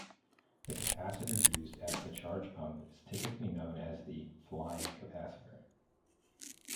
The capacitor used as the charge pump is typically known as the "flying capacitor".